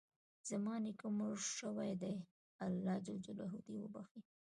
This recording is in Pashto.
زما نیکه مړ شوی ده، الله ج د وبښي